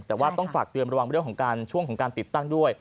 แต่ว่าต้องฝากเตือนระวังเรื่องของการช่วงของการติดตั้งด้วย